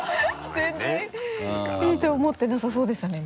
全然いいと思ってなさそうでしたね